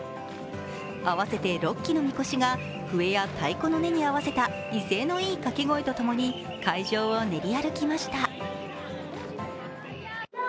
合わせて６基のみこしが笛や太鼓の音に合わせた威勢のいいかけ声とともに会場を練り歩きました。